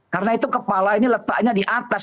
karena itu kepala ini letaknya di atas